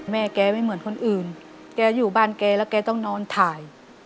แกไม่เหมือนคนอื่นแกอยู่บ้านแกแล้วแกต้องนอนถ่าย